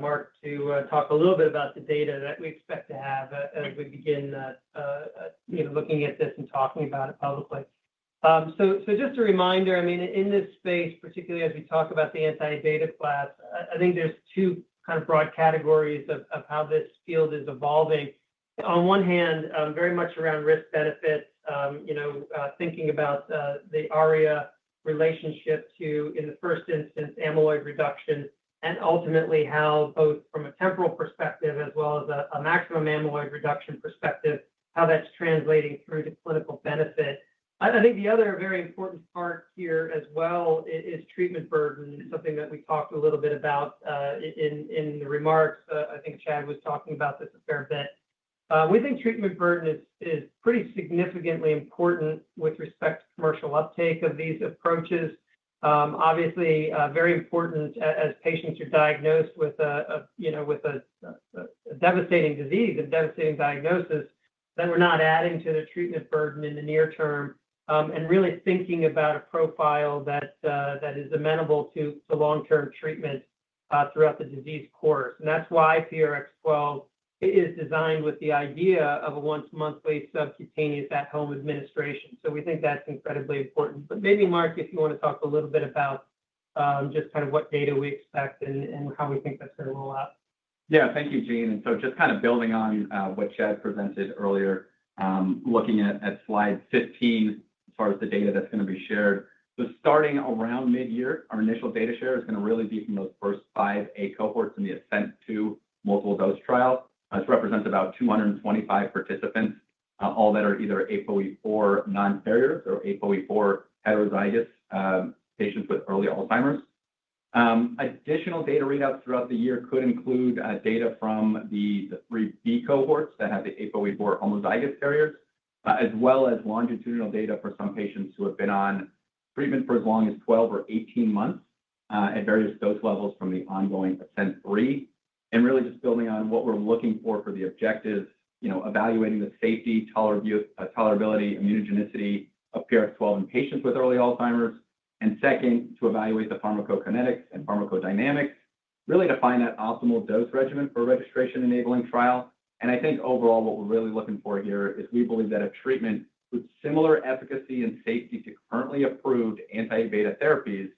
Mark to talk a little bit about the data that we expect to have as we begin looking at this and talking about it publicly. So just a reminder, I mean, in this space, particularly as we talk about the anti-amyloid class, I think there's two kind of broad categories of how this field is evolving. On one hand, very much around risk-benefit, thinking about the ARIA relationship to, in the first instance, amyloid reduction, and ultimately how both from a temporal perspective as well as a maximum amyloid reduction perspective, how that's translating through to clinical benefit. I think the other very important part here as well is treatment burden, something that we talked a little bit about in the remarks. I think Chad was talking about this a fair bit. We think treatment burden is pretty significantly important with respect to commercial uptake of these approaches. Obviously, very important as patients are diagnosed with a devastating disease and devastating diagnosis, then we're not adding to the treatment burden in the near term and really thinking about a profile that is amenable to long-term treatment throughout the disease course, and that's why PRX012 is designed with the idea of a once-monthly subcutaneous at-home administration, so we think that's incredibly important, but maybe, Mark, if you want to talk a little bit about just kind of what data we expect and how we think that's going to roll out. Yeah, thank you, Gene. And so just kind of building on what Chad presented earlier, looking at slide 15 as far as the data that's going to be shared. So starting around mid-year, our initial data share is going to really be from those first five A cohorts in the ASCENT-2 multiple-dose trial. This represents about 225 participants, all that are either APOE4 non-carriers or APOE4 heterozygous patients with early Alzheimer's. Additional data readouts throughout the year could include data from the three B cohorts that have the APOE4 homozygous carriers, as well as longitudinal data for some patients who have been on treatment for as long as 12 or 18 months at various dose levels from the ongoing ASCENT-3. And really just building on what we're looking for the objectives, evaluating the safety, tolerability, immunogenicity of PRX012 in patients with early Alzheimer's. Second, to evaluate the pharmacokinetics and pharmacodynamics, really to find that optimal dose regimen for registration-enabling trial. I think overall, what we're really looking for here is we believe that a treatment with similar efficacy and safety to currently approved anti-beta therapies,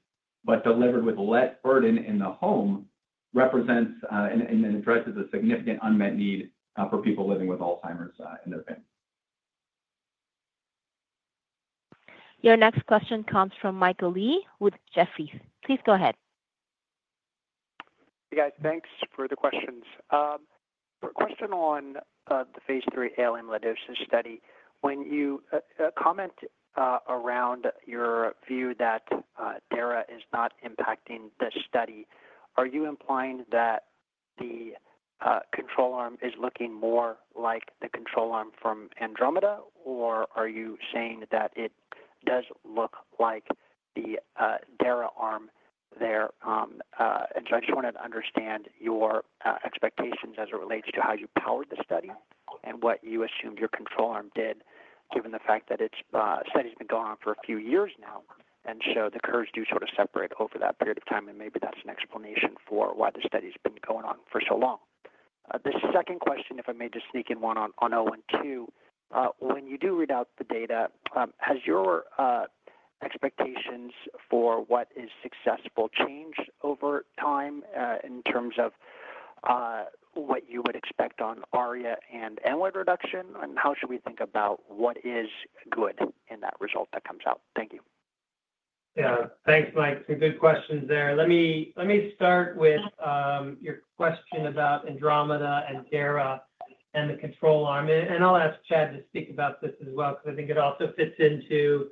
but delivered with less burden in the home, represents and addresses a significant unmet need for people living with Alzheimer's in their family. Your next question comes from Michael Yee with Jefferies. Please go ahead. Hey guys, thanks for the questions. Question on the phase III AL amyloidosis study. When you comment around your view that DARA is not impacting this study, are you implying that the control arm is looking more like the control arm from ANDROMEDA? Or are you saying that it does look like the DARA arm there? And so I just wanted to understand your expectations as it relates to how you powered the study and what you assumed your control arm did, given the fact that the study has been going on for a few years now and so the curves do sort of separate over that period of time, and maybe that's an explanation for why the study has been going on for so long. The second question, if I may just sneak in one on [another one too], when you do read out the data, has your expectations for what is successful changed over time in terms of what you would expect on ARIA and amyloid reduction? And how should we think about what is good in that result that comes out? Thank you. Yeah, thanks, Mike. Some good questions there. Let me start with your question about ANDROMEDA and DARA and the control arm, and I'll ask Chad to speak about this as well because I think it also fits into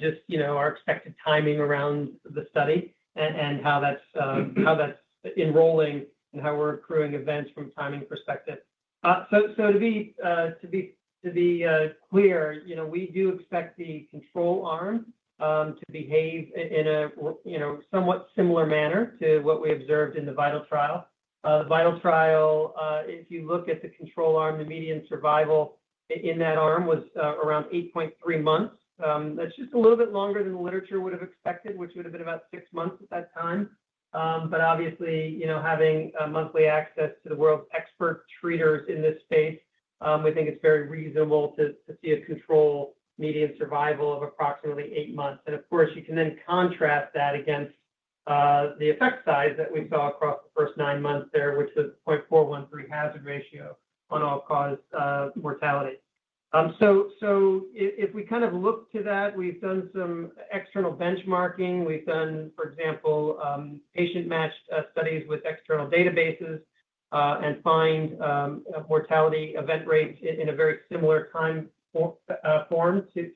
just our expected timing around the study and how that's enrolling and how we're accruing events from a timing perspective, so to be clear, we do expect the control arm to behave in a somewhat similar manner to what we observed in the VITAL trial. The VITAL trial, if you look at the control arm, the median survival in that arm was around 8.3 months. That's just a little bit longer than the literature would have expected, which would have been about six months at that time. Obviously, having monthly access to the world's expert treaters in this space, we think it's very reasonable to see a control median survival of approximately eight months. Of course, you can then contrast that against the effect size that we saw across the first nine months there, which was 0.413 hazard ratio on all-cause mortality. If we kind of look to that, we've done some external benchmarking. We've done, for example, patient-matched studies with external databases and find mortality event rates in a very similar time frame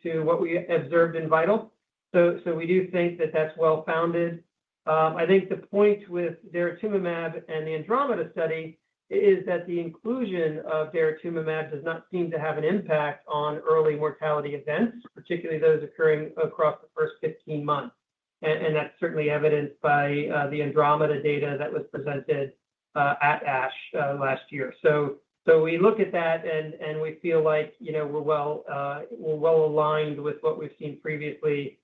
to what we observed in VITAL. We do think that that's well-founded. I think the point with daratumumab and the ANDROMEDA study is that the inclusion of daratumumab does not seem to have an impact on early mortality events, particularly those occurring across the first 15 months. That's certainly evidenced by the ANDROMEDA data that was presented at ASH last year. We look at that and we feel like we're well aligned with what we've seen previously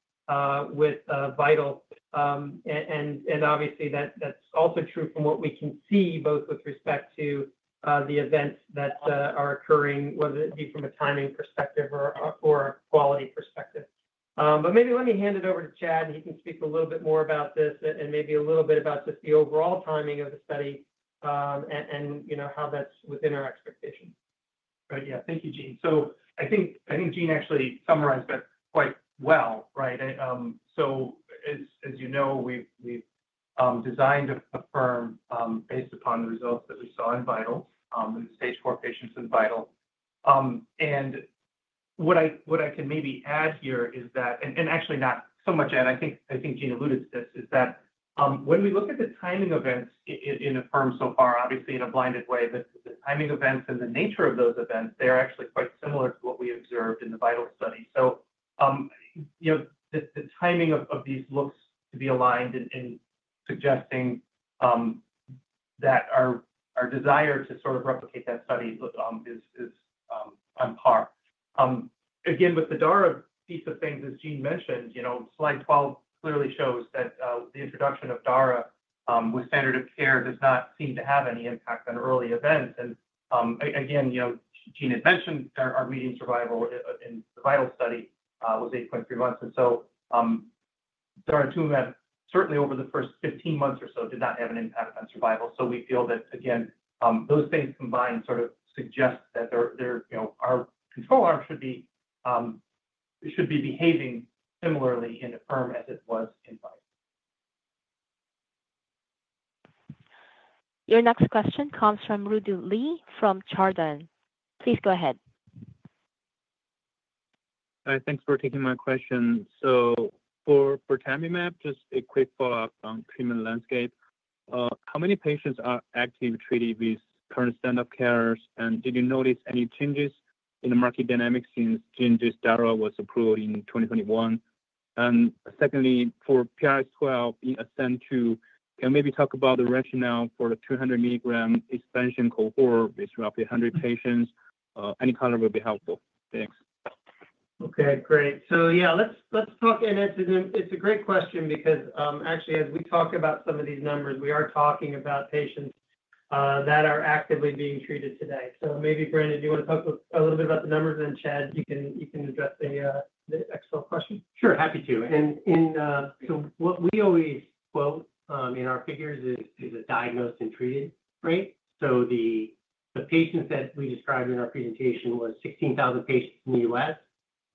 with VITAL. Obviously, that's also true from what we can see both with respect to the events that are occurring, whether it be from a timing perspective or a quality perspective. Maybe let me hand it over to Chad and he can speak a little bit more about this and maybe a little bit about just the overall timing of the study and how that's within our expectations. Right, yeah. Thank you, Gene. So I think Gene actually summarized that quite well, right? So as you know, we've designed AFFIRM-AL based upon the results that we saw in VITAL, in stage four patients in VITAL. And what I can maybe add here is that, and actually not so much, and I think Gene alluded to this, is that when we look at the timing events in AFFIRM-AL so far, obviously in a blinded way, but the timing events and the nature of those events, they're actually quite similar to what we observed in the VITAL study. So the timing of these looks to be aligned and suggesting that our desire to sort of replicate that study is on par. Again, with the DARA piece of things, as Gene mentioned, slide 12 clearly shows that the introduction of DARA with standard of care does not seem to have any impact on early events. And again, Gene had mentioned our median survival in the VITAL study was 8.3 months. And so daratumumab, certainly over the first 15 months or so, did not have an impact on survival. So we feel that, again, those things combined sort of suggest that our control arm should be behaving similarly in AFFIRM-AL as it was in VITAL. Your next question comes from Rudy Li from Chardan. Please go ahead. Hi, thanks for taking my question. So for birtamimab, just a quick follow-up on treatment landscape. How many patients are actively treated with current standard of care? And did you notice any changes in the market dynamics since DARA was approved in 2021? And secondly, for PRX012 in ASCENT-2, can you maybe talk about the rationale for the 200 mg expansion cohort with roughly 100 patients? Any color would be helpful. Thanks. Okay, great. So yeah, let's talk. And it's a great question because actually, as we talk about some of these numbers, we are talking about patients that are actively being treated today. So maybe, Brandon, do you want to talk a little bit about the numbers? And Chad, you can address the Excel question. Sure, happy to. And so what we always quote in our figures is a diagnosed and treated rate. So the patients that we described in our presentation was 16,000 patients in the U.S.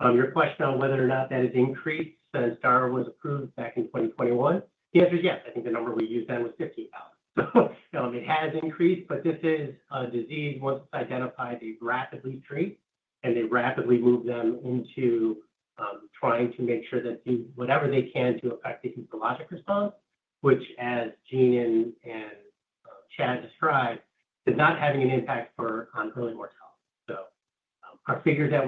Your question on whether or not that has increased since DARA was approved back in 2021? The answer is yes. I think the number we used then was 15,000. So it has increased, but this is a disease, once it's identified, they rapidly treat and they rapidly move them into trying to make sure that do whatever they can to affect the hematologic response, which, as Gene and Chad described, is not having an impact on early mortality. So our figures that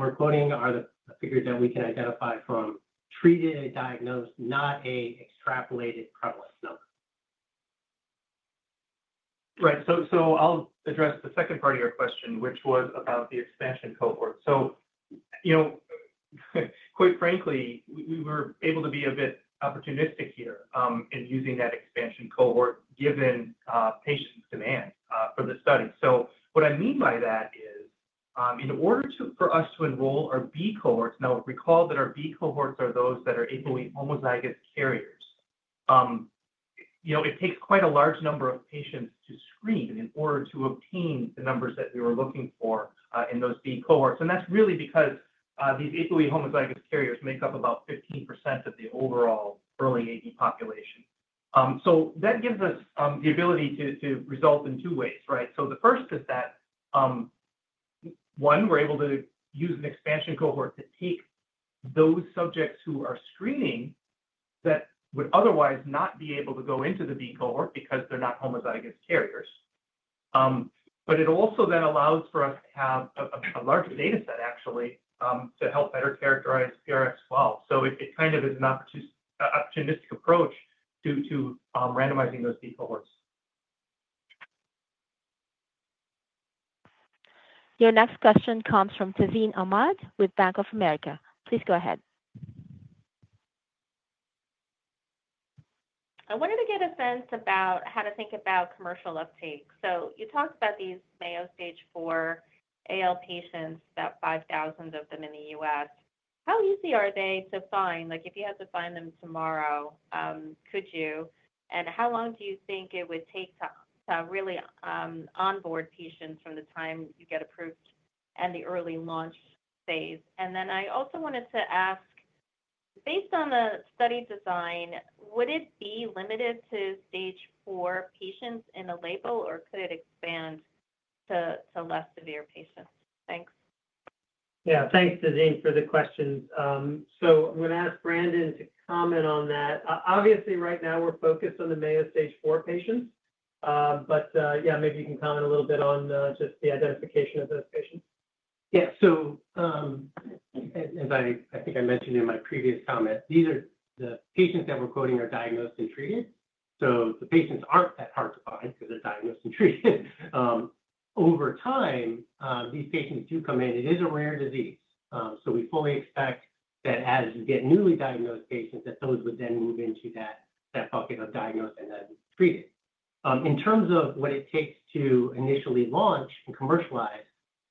we're quoting are the figures that we can identify from treated and diagnosed, not an extrapolated prevalence number. Right. So I'll address the second part of your question, which was about the expansion cohort. So quite frankly, we were able to be a bit opportunistic here in using that expansion cohort given patients' demand for the study. So what I mean by that is in order for us to enroll our B cohorts, now recall that our B cohorts are those that are APOE homozygous carriers. It takes quite a large number of patients to screen in order to obtain the numbers that we were looking for in those B cohorts. And that's really because these APOE homozygous carriers make up about 15% of the overall early Aβ population. So that gives us the ability to recruit in two ways, right? So the first is that, one, we're able to use an expansion cohort to take those subjects who are screening that would otherwise not be able to go into the B cohort because they're not homozygous carriers. But it also then allows for us to have a larger data set, actually, to help better characterize PRX012. So it kind of is an opportunistic approach to randomizing those B cohorts. Your next question comes from Tazeen Ahmad with Bank of America. Please go ahead. I wanted to get a sense about how to think about commercial uptake. So you talked about these Mayo Stage IV AL patients, about 5,000 of them in the U.S. How easy are they to find? If you had to find them tomorrow, could you? And how long do you think it would take to really onboard patients from the time you get approved and the early launch phase? And then I also wanted to ask, based on the study design, would it be limited to Stage IV patients in a label, or could it expand to less severe patients? Thanks. Yeah, thanks, Tazeen, for the questions, so I'm going to ask Brandon to comment on that. Obviously, right now, we're focused on the Mayo Stage IV patients, but yeah, maybe you can comment a little bit on just the identification of those patients. Yeah. So as I think I mentioned in my previous comment, these are the patients that we're quoting are diagnosed and treated. So the patients aren't that hard to find because they're diagnosed and treated. Over time, these patients do come in. It is a rare disease. So we fully expect that as you get newly diagnosed patients, that those would then move into that bucket of diagnosed and then treated. In terms of what it takes to initially launch and commercialize,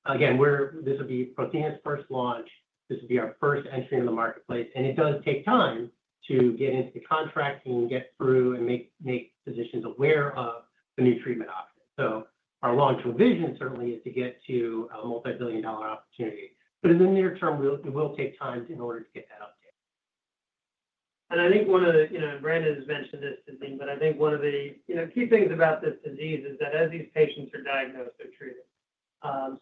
again, this would be Prothena's first launch. This would be our first entry into the marketplace. And it does take time to get into the contracting, get through, and make physicians aware of the new treatment options. So our long-term vision certainly is to get to a multi-billion dollar opportunity. But in the near term, it will take time in order to get that update. And I think one of the-Brandon has mentioned this, Tazeen-but I think one of the key things about this disease is that as these patients are diagnosed, they're treated.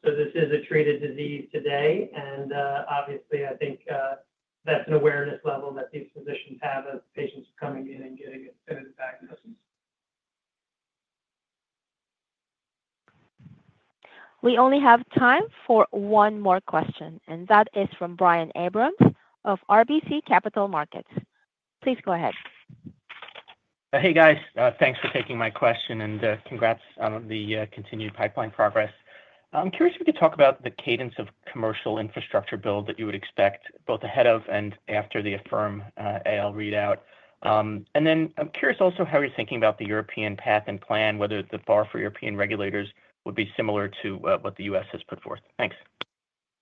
So this is a treated disease today. And obviously, I think that's an awareness level that these physicians have as patients are coming in and getting a diagnosis. We only have time for one more question, and that is from Brian Abrahams of RBC Capital Markets. Please go ahead. Hey guys. Thanks for taking my question and congrats on the continued pipeline progress. I'm curious if we could talk about the cadence of commercial infrastructure build that you would expect both ahead of and after the AFFIRM-AL readout. And then I'm curious also how you're thinking about the European path and plan, whether the bar for European regulators would be similar to what the U.S. has put forth. Thanks.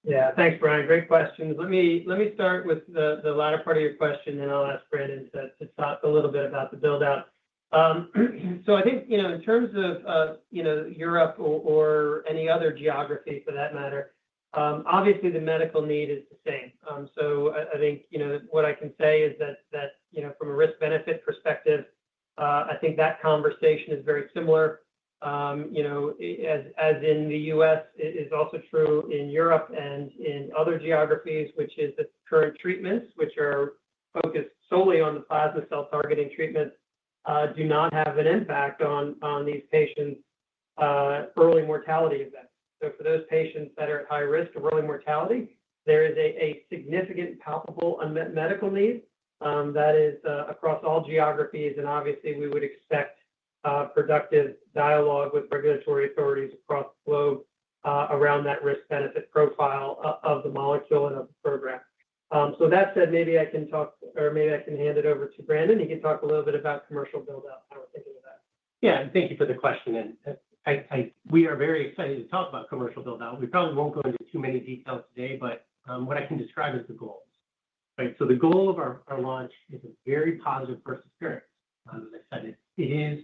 Yeah, thanks, Brian. Great questions. Let me start with the latter part of your question, and then I'll ask Brandon to talk a little bit about the buildout. So I think in terms of Europe or any other geography for that matter, obviously, the medical need is the same. So I think what I can say is that from a risk-benefit perspective, I think that conversation is very similar. As in the U.S., it is also true in Europe and in other geographies, which is that current treatments, which are focused solely on the plasma cell targeting treatment, do not have an impact on these patients' early mortality events. So for those patients that are at high risk of early mortality, there is a significant palpable unmet medical need that is across all geographies. Obviously, we would expect productive dialogue with regulatory authorities across the globe around that risk-benefit profile of the molecule and of the program. That said, maybe I can talk or maybe I can hand it over to Brandon. He can talk a little bit about commercial buildout and how we're thinking of that. Yeah, and thank you for the question. And we are very excited to talk about commercial buildout. We probably won't go into too many details today, but what I can describe is the goals. So the goal of our launch is a very positive first experience. As I said, it is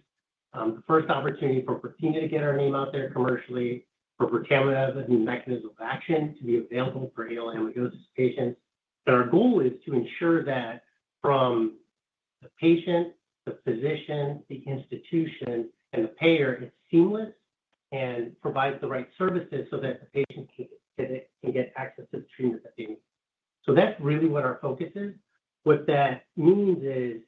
the first opportunity for Prothena to get our name out there commercially, for birtamimab as a mechanism of action to be available for AL amyloidosis patients. And our goal is to ensure that from the patient, the physician, the institution, and the payer, it's seamless and provides the right services so that the patient can get access to the treatment that they need. So that's really what our focus is. What that means is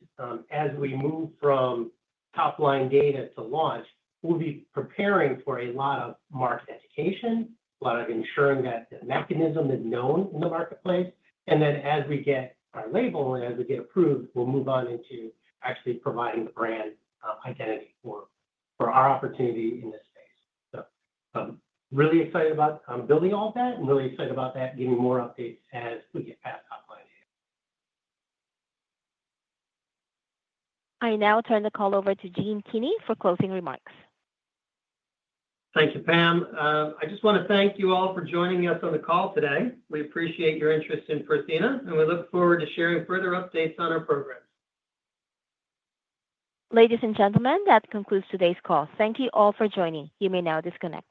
as we move from top-line data to launch, we'll be preparing for a lot of market education, a lot of ensuring that the mechanism is known in the marketplace. And then as we get our label and as we get approved, we'll move on into actually providing the brand identity for our opportunity in this space. So I'm really excited about building all of that and really excited about getting more updates as we get past top-line data. I now turn the call over to Gene Kinney for closing remarks. Thank you, Pam. I just want to thank you all for joining us on the call today. We appreciate your interest in Prothena, and we look forward to sharing further updates on our programs. Ladies and gentlemen, that concludes today's call. Thank you all for joining. You may now disconnect.